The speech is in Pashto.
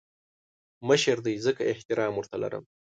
مشر دی ځکه احترام ورته لرم